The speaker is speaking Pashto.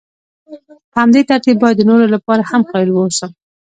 په همدې ترتیب باید د نورو لپاره هم قایل واوسم.